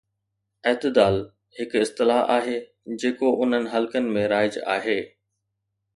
اعتدال هڪ اصطلاح آهي جيڪو انهن حلقن ۾ رائج آهي.